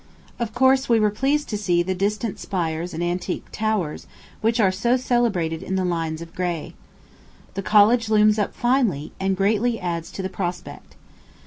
Of course, we were pleased to see "the distant spires and antique towers" which are so celebrated in the lines of Gray. The college looms up finely, and greatly adds to the prospect.